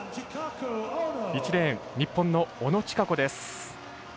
１レーン、日本の小野智華子です。